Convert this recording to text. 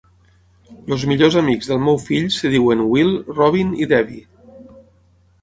Els millors amics del meu fill es diuen Will, Robin i Debbie.